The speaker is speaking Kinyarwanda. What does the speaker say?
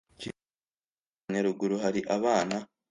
kiri mu Karere ka Nyarugenge hari abana